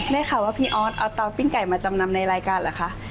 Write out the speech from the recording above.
ได้ข่าวว่าพี่ออสเอาเตาปิ้งไก่มาจำนำในรายการเหรอคะ